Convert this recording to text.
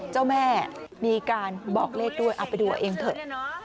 เจ้าแม่มีการบอกเลขด้วยเอาไปดูเอาเองเถอะ